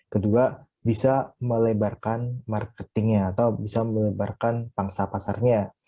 kedua bisa melebarkan marketingnya atau bisa melebarkan pangsa pasarnya